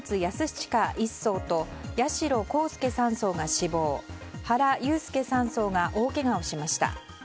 親１曹と八代航佑３曹が死亡原悠介３曹が大けがをしました。